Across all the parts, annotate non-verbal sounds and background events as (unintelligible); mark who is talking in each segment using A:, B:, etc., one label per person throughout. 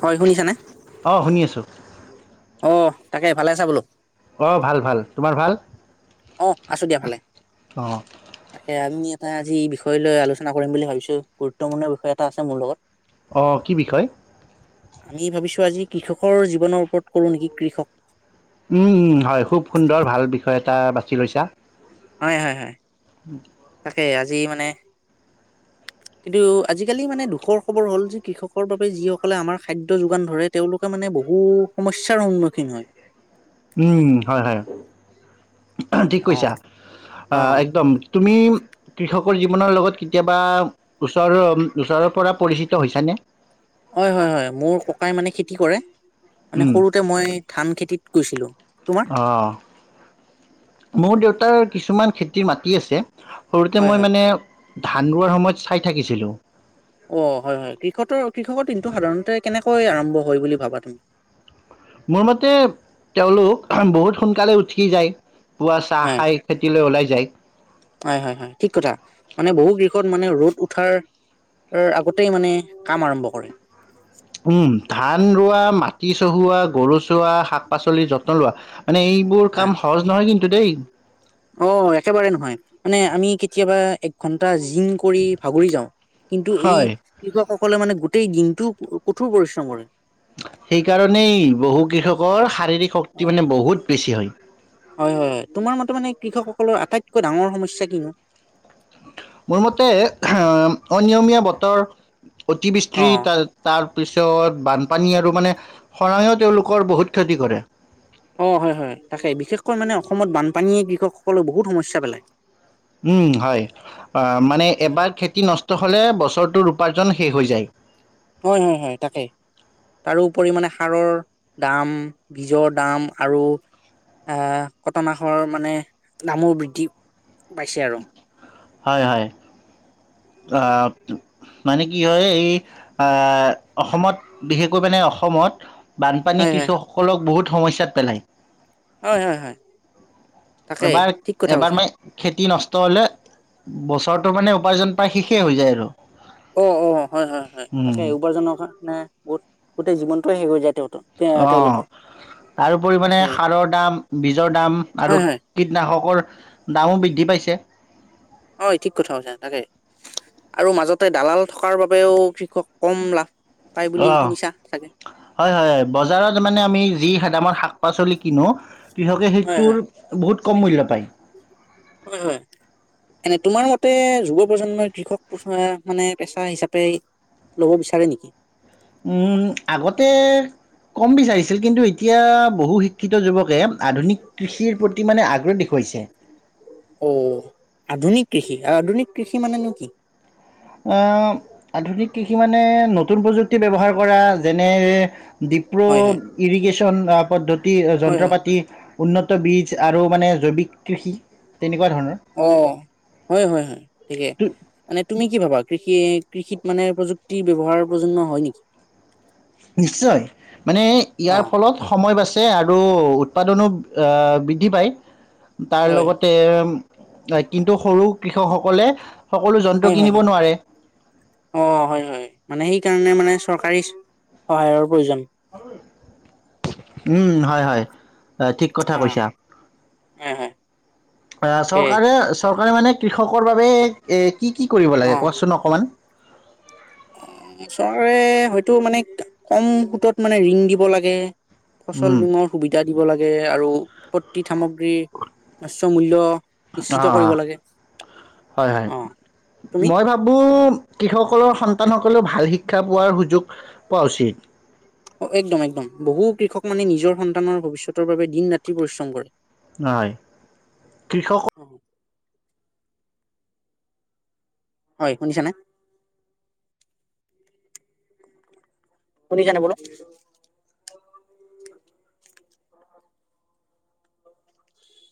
A: হয় শুনিছানে
B: অঁ শুনি আছোঁ
A: অ তাকে ভালে আছা বোলো
B: অ ভাল ভাল তোমাৰ ভাল
A: অ আছো দিয়া ভালে
B: অঁ
A: তাকে আমি তাই আজি এই বিষয় লৈ আলোচনা কৰিম বুলি ভাবিছো গুৰুত্বপূৰ্ণ বিষয় এটা আছে মোৰ লগত
B: অঁ কি বিষয়
A: আমি ভাবিছো আজি কৃষকৰ জীৱনৰ ওপৰত কৰো নেকি কৃষক
B: উম উম হয় খুব সুন্দৰ ভাল বিষয় এটা বা ছি লৈছা
A: হয় হয় তাকে আজি মানে কিন্তু আজিকালি মানে দুখৰ খবৰ হ'ল যে কৃষকৰ বাবে যিসকলে আমাৰ খাদ্য যোগান ধৰে তেওঁলোকে মানে বহু সমস্যাৰ সন্মুখীন হয়
B: উম হয় হয় ঠিক কৈছা
A: অ' অ'
B: একদম তুমি কৃষক জীৱনৰ লগত কেতিয়াবা ওচৰৰ ওচৰৰ পৰা পৰিচিত হৈছানে
A: হয় হয় হয় মোৰ ককাই মানে খেতি কৰে মানে সৰুতে মই ধান খেতিত কৈছিলো
B: অ মোৰ দেউ তাৰ কিছুমান খেতিৰ মাটি আছে সৰুতে
A: হয়
B: মই
A: হয়।
B: মানে ধান ৰোৱাৰ সময়ত চাই থাকিছিলোঁ
A: অ হয় হয় কৃষতৰ কৃষকৰ দিনটো সাধাৰণতে কেনেকৈ আৰম্ভ হয় বুলি ভাবা তুমি?
B: মোৰ মতে তেওঁলোক বহুত সোনকালে উঠি যায়। পুৱা চাহ
A: হয়,
B: খাই খেতিলৈ ওলাই যায়।
A: পূব দিশত মানে ৰ'দ উঠাৰ আগতেই মানে কাম আৰম্ভ কৰে।
B: উম ধান ৰোৱা মা তি চহোৱা, গৰু চোৱা, শাক পাচলিৰ যত্ন লোৱা মানে এইবোৰ
A: হয়।
B: কাম সহজ নহয় কিন্তু দেই
A: অ একেবাৰে নহয় মানে আমি কেতিয়াবা এক ঘণ্টা জিম কৰি ভাগৰি যাওঁ, কিন্তু এই
B: হয়,
A: কৃষক সকলে মানে গোটেই দিনটো কঠোৰ পৰিশ্ৰম কৰে
B: সেইকাৰণেই বহু কৃষকৰ শাৰীৰিক শক্তি
A: অ',
B: মানে বহুত বেছি হয়
A: হয়, হয়, হয়, তোমাৰ মতে মানে কৃষকসকলৰ আটাইতকৈ ডাঙৰ সমস্যা কিনো?
B: মোৰ মতে আহ অনিয়মীয়া বতৰ অতি সবৃষ্টি
A: অ',
B: তাৰ তাৰপিছত বান পানী আৰু মানে শৰায়ও তেওঁলোকৰ বহুত ক্ষতি কৰে
A: অ হয় হয় তাকে বিশেষকৈ মানে অসমত বানপানীয়ে কৃষকসকললে বহুত সমস্যা পেলায়।
B: উম হয় অ মানে এবাৰ খেতি নষ্ট হ'লে বছৰটোৰ উপাৰ্জন শেষ হৈ যায়।
A: হয় হয় হয় তাকে তাৰোপৰি মানে সাৰৰ দাম বীজৰ দাম আৰু আহ কটনাখৰ মানে দামো বৃদ্ধি পাইছে আৰু
B: হয় হয় আ
A: উম
B: মানে কি হয় এই আহ অসমত বিশেষকৈ মানে অসমত বানপানী
A: হয় হয়
B: কৃষকসকলক বহুত সমস্যাত পেলায়
A: হয় হয় তাকে
B: এবাৰ
A: ঠিক কথা
B: এবাৰ
A: কৈছা
B: মই খেতি নষ্ট হ'লে বছৰটো মানে উপাৰ্জন প্ৰ্যায় শেষে হৈ যায় আৰু
A: অ অ হয় হয় হয়
B: উম
A: তাকে উপাৰ্জনৰ কাৰ ৰনে বহুত গোটেই জীৱনটো শেষ হৈ যায় তেঁওৰ।
B: অ তাৰোপৰি
A: তাকে
B: সাৰৰ দাম বীজৰ দাম
A: হয়
B: আৰু
A: হয়
B: কীটনাশকৰ দামো বৃদ্ধি পাইছে চে
A: হয় ঠিক কথা হৈছে তাকে আৰু মাজতে দালাল থকাৰ বাবেও কৃষক কম লাভ পাই বুলি
B: অ
A: শুনিছা চাগে
B: হয় হয় বজাৰত মানে আমি যি দামত শাক শাক পাচলি কিনো কৃষকে
A: হয়
B: সেইটোৰ
A: হয়
B: বহুত কম মূল্যত পাই
A: হয় হয় এনে তোমাৰ মতে যুৱ প্ৰজন্মই কৃষক মানে পেচা হিচাপে লব বিচাৰে নেকি?
B: উম আগতে কম বিচাৰিছিল কিন্তু এতিয়া বহু শিক্ষিত যুৱকে আধুনিক কৃষিৰ প্ৰতি মানে আগ্ৰহ দেখুৱাইছে
A: অ আধুনিক কৃষি আৰু আধুনিক কৃষি মানেনো কি?
B: আহ আধুনিক কৃষি মানে নতুন প্ৰযুক্তি ব্যৱহাৰ কৰা যেনে ডিপ্ৰো
A: হয়, হয়,
B: ইৰিগেশ্যন পদ্ধতি তি অই
A: হয়,
B: যন্ত্ৰ
A: হয়,
B: পাতি উন্নত বীজ আৰু মানে জৈৱিক কৃষি তেনেকুৱা ধৰণৰ
A: অ হয় হয় হয় থিকে
B: তো-
A: মানে তুমি কি ভাবা কৃষি কৃষিত মানে প্ৰযুক্তিৰ ব্যৱহাৰ প্ৰজন্মৰ হয় নেকি
B: নিশ্চয় মানে ইয়াৰ
A: অ',
B: ফলত সময় বাছি আৰু উৎপাদনো অ বৃদ্ধি পায় তাৰ
A: হয়,
B: লগতে হয় কিন্তু সৰু কৃষকসকলে সকলো যন্ত্ৰ
A: হয় হয়
B: কিনিব
A: হয়
B: নোৱাৰে
A: অ হয় হয় মানে সেই স কাৰণে মানে চৰকাৰী সহায়ৰ প্ৰয়োজন
B: উম হয় হয় বা ঠিক কথা
A: অ',
B: কৈছা
A: হয়, হয়,
B: আহ
A: তাকে
B: চৰকাৰে চৰকাৰ তাৰ মানে কৃষকৰ বাবে এই কি কি কৰিব লাগে কোৱাচোন অকণমান
A: অ চৰকাৰে হয়তো মানে কম সুতত মানে ঋণ দিব লাগে ফচল বীমাৰ সুবিধা দিব লাগে আৰু উৎপত্তি সামগ্ৰী উচ্চ মূল্য নিশ্চিত
B: আহ
A: কৰিব লাগে
B: হয় হয়
A: অ'। তুমি
B: মই ভাবো কৃষকসকলৰ সন্তানসকলেও ভাল শিক্ষা পোৱাৰ সুযোগ পোৱা উচিত
A: অ একদম একদম বহু কৃষক মানে নিজৰ সন্তানৰ ভৱিষ্যতৰ বাবে দিন ৰাতি পৰিশ্ৰম কৰে
B: হয় কৃষক
A: হয় শুনিছা নে শুনিছেনে বোলো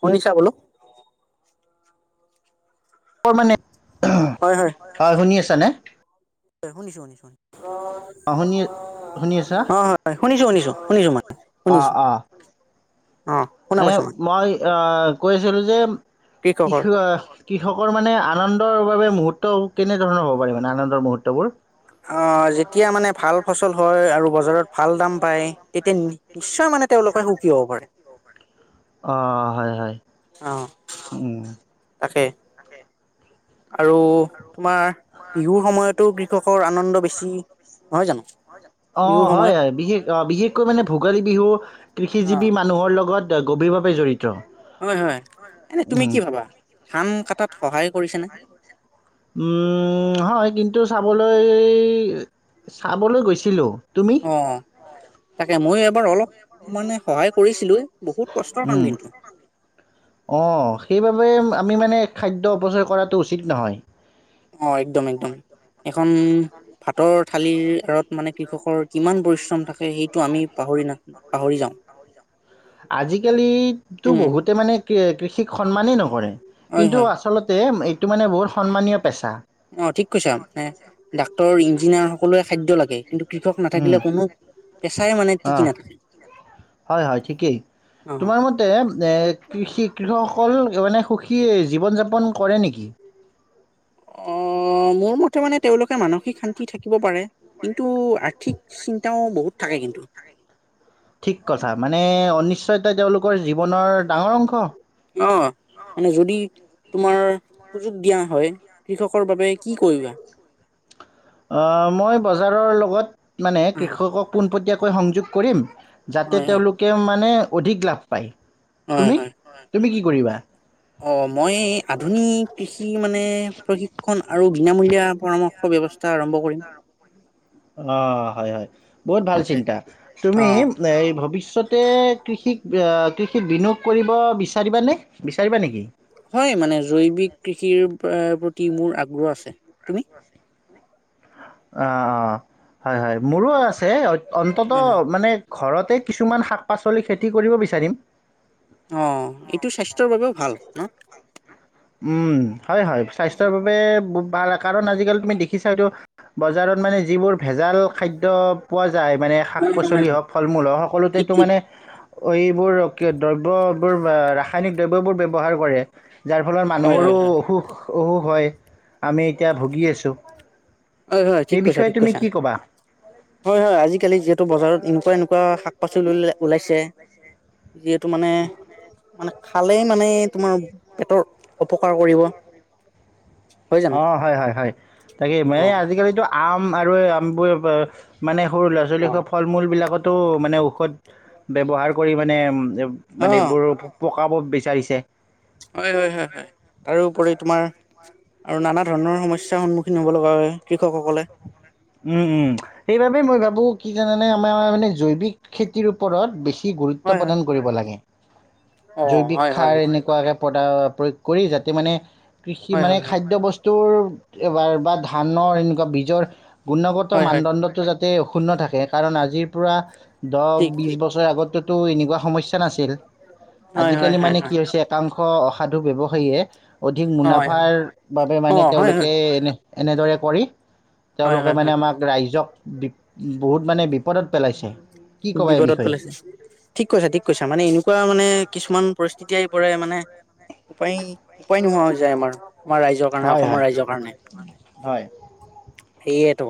A: শুনিছা বোলো
B: কৰ মানে হয় শুনি আছো তেনে
A: শুনিছো শুনিছো
B: অ শুনি শুনি আছা
A: অ' হয় শুনিছো শুনিছো শুনিছো মই
B: অ
A: শুনিছো
B: অ
A: অ' শুনা পাইছো
B: মই আহ কৈছিলো যে কৃষ
A: কৃষকৰ
B: কৃষকৰ মানে আনন্দৰ বাবে মুহুৰ্ত কেনেধৰণৰ হ'ব পাৰি মানে আনন্দৰ মুহূৰ্তবোৰ
A: অ যে যেতিয়া মানে ভাল ফচল হয় আৰু বজাৰত ভাল দাম পায় তেতিয়া নিশ্চয় মানে তেওঁলোকে সুখী হ'ব পাৰে
B: অ হয় হয়
A: অ'
B: উম
A: তাকে আৰু তোমাৰ বিহুৰ সময়তো কৃষক
B: অ
A: বিহুৰ
B: হয়
A: সময়ত
B: হয় বিশেষ বিশেষকৈ মানে ভোগালী বিহু
A: অ'
B: কৃষিজীৱি মানুহৰ লগত এটা গভীৰভাৱে জড়িত
A: হয় হয় এনে তুমি
B: উম,
A: কি ভাবা ধান কটাত সহায়ে কৰিছেনে
B: মম হয় কিন্তু চাবলৈ চাবলৈ গৈছিলোঁ তুমি?
A: অ (inaudible) এবাৰ অলপ মানে সহায় কৰিছিলো বহুত কষ্টৰ কাম
B: উম
A: কিন্তু
B: অ সেইবাবে আমি মানে খাদ্য অপচয় কৰাটো উচিত নহয়
A: অ একদম একদম এখন ভাতৰ থালিৰ আঁৰত মানে কৃষকৰ কিমান পৰিশ্ৰম থাকে সেইটো আমি পাহৰি না পাহৰি যাওঁ
B: আজিকালিতো
A: উম
B: বহুতে মানে কৃষ সিক সন্মানেই নকৰে
A: হয়
B: কিন্তু
A: হয়
B: আচলতে সেইটো মানে বহুত সন্মানীয় পেছা।
A: অ ঠিক কৈছা এ ডাক্তৰ, ইঞ্জি দিনা সকলোৱে খাদ্য লাগে। কিন্তু কৃষক
B: উম,
A: নাথাকিলে কোনো পেচাই মানে
B: অ
A: টিকি নাথাকে
B: হয় হয় ঠিকেই,
A: অ
B: তোমাৰ মতে এ কৃষিক। কৃষকসকল মানে সুখী জীৱন যাপন কৰে নেকি?
A: আহ মোৰ মতে মানে তেওঁলোকে মানসিক শান্তি থাকিব পাৰে। কিন্তু আৰ্থিক চিন্তাও বহুত থাকে কিন্তু।
B: ঠিক কথা, মানে অনিশ্চয়তা তেওঁলোকৰ জীৱনৰ ডাঙৰ অংশ।
A: অ মানে যদি তোমাৰ সুযোগ দিয়া হয়, কৃষকৰ বাবে কি কৰিবা?
B: মই বজাৰৰ লগত মানে
A: অ'
B: কৃষকক পোনপটীয়া কৈ সংযোগ কৰিম যাতে
A: হয়, হয়,
B: তেওঁলোকে মানে অধিক লাভ পায়।
A: হয়,
B: তুমি,
A: হয়
B: তুমি কি? কৰিবা?
A: অ মই আধুনিক কৃষি মানে প্ৰশিক্ষণ আৰু বিনামূলীয়া পৰামৰ্শ ব্যৱস্থা, আৰম্ভ কৰিম।
B: অ হয় হয়, বহুত ভাল
A: তাকে
B: চিন্তা। তুমি
A: অ'
B: এই ভৱিষ্যত চতে কৃষিক কৃষিত বিনিয়োগ কৰিব বিচাৰিবানে? বিচাৰিবা নেকি?
A: হয় মানে জৈৱিক কৃষিৰ প্ৰতি মোৰ আগ্ৰহ আছে। তুমি?
B: অ অ হয় হয় মোৰো আছে। অন্তত
A: হয়, হয়
B: মানে ঘৰতে কিছুমান শাক পাচলি খেতি কৰিব বিচাৰিম।
A: অ এইটো স্বাস্থ্যৰ বাবেও ভাল, ন?
B: উম। হয় হয়, স্বাস্থ্যৰ বাবে ভাল। কাৰণ আজিকালি তুমি দেখিছা তু, বজাৰত মানে যিবোৰ ভেজাল খাদ্য পোৱা যায়, মানে শাক পাচলি হওক, ফল মূল হওক,
A: ঠিক,
B: সকলোতেতো
A: ঠিক
B: মানে এইবোৰ দ্ৰব্যবোৰ, ৰাসা়নিক দ্ৰববোৰ ব্যব ব্যৱহাৰ কৰে যাৰ ফলৰ
A: হয়,
B: মানুহৰো
A: হয়, হয়।
B: অসুখ অহু হয়, আমি এতিয়া ভুগি আছোঁ
A: হয় হয় ঠিক
B: এই
A: কৈছা
B: বিষয়ে
A: ঠিক
B: তুমি
A: কৈছা,
B: কি ক'বা?
A: হয় হয় আজিকালি যিহেতু বজাৰত এনেকুৱা এনেকুৱা শাক (unintelligible) যিহেতু মানে মানে খালে মানে তোমাৰ পেটৰ অপকাৰ কৰিব হয় জানো
B: অ হয় হয় হয়, তাকে
A: অ
B: মানে আজিকালিতো আম (unintelligible) সৰু ল'ৰা ছোৱালী
A: অ
B: খুৱা ফল মূবিলাকত টো মানে ঔষধ ব্যৱহাৰ কৰি মানে
A: অ
B: মানে এইবোৰো কাবব বিচাৰিছে
A: হয় হয় হয় হয়, তাৰোপৰি তোমাৰ আৰু নানা ধৰণৰ সমস্যাৰ সন্মুখীন হ'ব লগা হয় কৃষকসকলে
B: উম উম সেইবাবেেই মই ভাবো কি কাৰানে আমাৰ মানে জৈৱিক খেতিৰ ওপৰত বেছি কি
A: হয়
B: গুৰুত্ব
A: হয়
B: প্ৰদান কৰিব লাগে।
A: অ
B: জৈৱিকয
A: হয় হয়
B: খায় এনেকুৱাকে প্ৰদা প্ৰয়োগ কৰি যাতে মানে কৃষি
A: হয়
B: মানে
A: হয় হয়
B: খাদ্যবস্তু টোএবাৰ বা ধানৰ এনেকুৱা জৰ। গুণগত
A: হয় হয়
B: মানদণ্ডটো যাতে ত অক্ষুন্ন থাকে কাৰণ আজিৰ পৰা দহ
A: ঠিক
B: বিশ
A: ঠিক
B: বছৰ আগত তো এনেকুৱা সমস্যা। নাছিল
A: হয়
B: আজি
A: হয়
B: কালি
A: হয়
B: মানে কি
A: হয়
B: হৈছে এটা অংশ অ অসাধু ব্যৱসায়ীয়ে। অধিক
A: হয় হয়
B: মুনাফাৰ বাবে
A: অ
B: মানে
A: হয় হয়
B: তেওঁলোকে এনে। এনেদৰে কৰি।
A: হয়
B: তেওঁলোকে
A: হয়
B: মানে
A: হয়
B: আমাক ৰাইজক। বি বহুত মানে বিপদত পেলাইছে। কি ক'বা এই
A: বিপদত
B: বিষয়ে
A: পেলাইছে ঠিক কৈছা ঠিক কৈছা মানে এনেকুৱা মানে কিছুমান পৰিস্থিতি। এতিয়াই পৰাৰে মানে উপায় উপায় নোহোৱা হৈ যায় আমাৰ। আমাৰ ৰাইজৰ কাৰণে
B: হয়
A: অসমৰ
B: হয়
A: ৰাইজৰ কাৰণে।
B: হয়
A: সেয়েতো।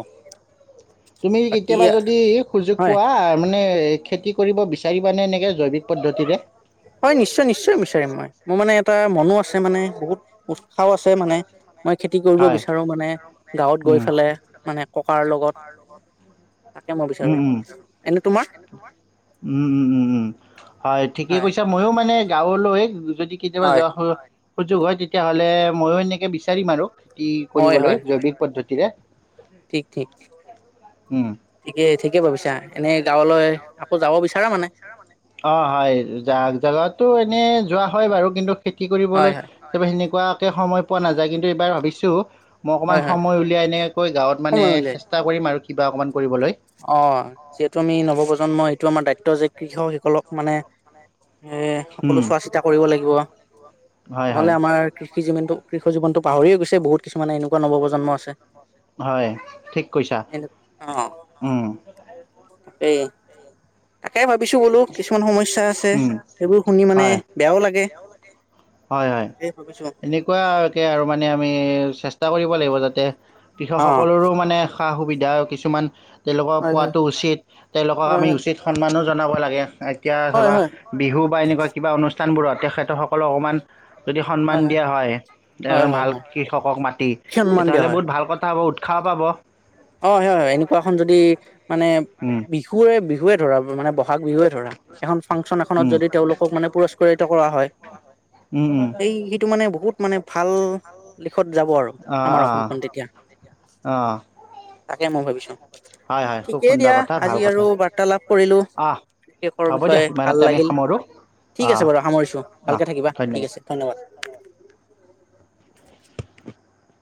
B: তুমি
A: বাকী
B: কেতিয়াবা যদি সুযোগ
A: হয়
B: পোৱা মানে। খেতি কৰিব বিচাৰিবানে? এনেকে জৈৱিক পদ্ধতিৰে।
A: হয় নিশ্চয় নিশ্চয়, বিচাৰিম মই মোৰ মানে এটা মনো। আছে মানে বহুত। আও আছে মানে মই খেতি কৰিব
B: হয়।
A: বিচাৰো। মানে গাঁৱত গৈ
B: উম।
A: পালে মানে ককাৰ লগত তাকে মই বিচাৰো
B: উম উম।
A: এনে তোমাৰ
B: উম
A: হয়।
B: মইয়ো মানে গাঁৱলৈ। যদি, কেতিয়াবা যোৱা হয়। সুযোগ হয় তেতিয়াহ'লে ময়ো এনে। বিচাৰিম আৰু। খেতি
A: হয়
B: কৰিবলৈ
A: হয়
B: জৈৱিক পদ্ধতিৰে।
A: ঠিক ঠিক
B: উম।
A: ঠিকেই ঠিকেই ভাবিছা, এনে গাঁৱলৈ আকৌ যাব বিছাৰ। সেয়া মানে।
B: অ হয় জাক জাগাতো এ (unintelligible) এনে যোৱা হয় বাৰু কিন্তু। খেতি
A: হয়
B: কৰিবলৈ
A: হয়
B: সেনেকুৱা। সময় পোৱা নাযায়, কিন্তু এইবাৰ ভাবিছোঁ। মই অকণমান
A: হয় হয়
B: সময় উলিয়াই এনেকৈ গাঁৱত মানে
A: সময় উলিয়াই
B: চেষ্টা কৰিম আৰু কিবা অকমান।
A: অ যিহেতু আমি নৱপ্ৰজন্ম এইটো আমাৰ দায়িত্ব যে কৃষক সকলক। মানে। এ সকলো
B: উম,
A: চোৱা চিতা কৰিব লাগিব
B: হয়, হয়,
A: নহলে আমাৰ। কৃষি জীৱনটো কৃষ জীৱনটো পাহৰিয়ে গৈছে, বহুত কিছুমানে এনেকোৱা নৱপজন্ম আছে।
B: হয়, ঠিক কৈছা। উম।
A: এই। তাকে ভাবিছো বোলো, কিছুমান সমস্যা আছে
B: উম,
A: সেইবোৰ শুনি মানে
B: হয়।
A: বেয়াও লাগে।
B: হয়, হয়। এনেকুৱাকৈ আৰু মানে আমি চেষ্টা কৰিব লাগিব যাতে।
A: অ'
B: কৃষকসকলৰো মানে সা সুবিধ। সুবিধা কিছুমান। তেওঁলোকক
A: হয় হয়
B: পোৱাটো উচিত, তেওঁলোকক
A: হয়
B: আমি
A: হয়।
B: উচিত সন্মানো জনাব লাগে। (unintelligible) এতিয়া
A: হয়
B: ধাবা
A: হয়
B: বিহু বা এনেকুৱা কিবা অনুষ্ঠান। স্থানবোৰত তেখেতসকলক অকণমান যদি সন্মান দিয়া হয়
A: হয়
B: এজন
A: হয়
B: ভাল
A: হয়
B: কৃষকক মাতি
A: সন্মান দিয়া
B: তেতিয়াহ'লে
A: হয়
B: বহুত ভাল কথা হ'ব উত খাব পাব
A: অ হয় হয় এনেকুৱাখনন যদি মানে
B: উম,
A: বিহুৰে বিহু এটো ধৰা মানে ভাগ বিহুৱে ধৰা এখন ফাংচন এখনত
B: উম,
A: যদি তেওঁলোকক মানে পুৰস্কৃত কৰা হয়
B: উম, উম,
A: সেই সিটো মানে বহুত মানে ভাল দিশত যাব আৰু
B: অঁ
A: আমাৰ
B: অঁ
A: অসমখন তেতিয়া
B: অঁ
A: তাকে মই ভাবিছোঁ
B: হয় হয় খুব
A: ঠিকেই
B: সুন্দৰ
A: দিয়া
B: কথা
A: আজি
B: ভাল কথা
A: আৰু বাৰ্তালাপ কৰিলোঁ
B: অঁ
A: বিশেষৰ
B: হ'ব দিয়া
A: বিষয়ে ভাল
B: ইমানতে আমি
A: লাগিল
B: সামৰোঁ
A: ঠিক
B: অঁ
A: আছে বাৰু সামৰিছোঁ
B: অঁ
A: ভালকে থাকিবা ঠিক
B: ধন্যবাদ
A: আছে ধন্যবাদ